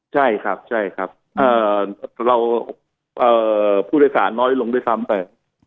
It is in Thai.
ใช่ครับใช่ครับเราผู้โดยสารน้อยลงด้วยซ้ำไป